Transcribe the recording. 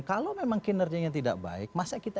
kalau memang kinerjanya tidak baik masa kita